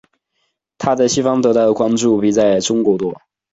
她在西方得到的关注比在中国多。